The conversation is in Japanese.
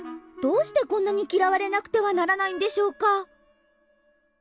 どうしてこんなに嫌われなくてはならないんでしょうか。